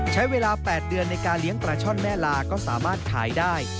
ใช้เวลา๘เดือนในการเลี้ยงปลาช่อนแม่ลาก็สามารถขายได้